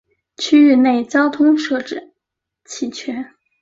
区域内交通设置齐全。